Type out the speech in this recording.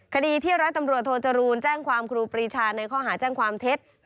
คดีที่ร้อยตำรวจโทจรูลแจ้งความครูปรีชาในข้อหาแจ้งความเท็จ